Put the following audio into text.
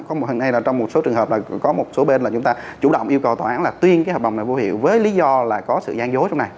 có một trong một số trường hợp là có một số bên là chúng ta chủ động yêu cầu tòa án là tuyên cái hợp đồng này vô hiệu với lý do là có sự gian dối trong này